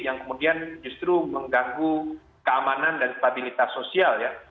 yang kemudian justru mengganggu keamanan dan stabilitas sosial ya